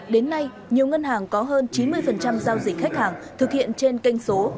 đến nay nhiều ngân hàng có hơn chín mươi giao dịch khách hàng thực hiện trên kênh số